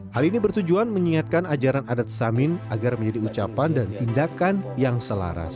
hal ini bertujuan mengingatkan ajaran adat samin agar menjadi ucapan dan tindakan yang selaras